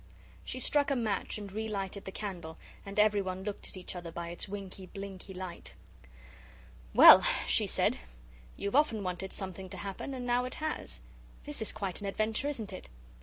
She struck a match and relighted the candle and everyone looked at each other by its winky, blinky light. "Well," she said, "you've often wanted something to happen and now it has. This is quite an adventure, isn't it?